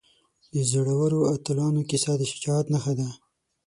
د زړورو اتلانو کیسه د شجاعت نښه ده.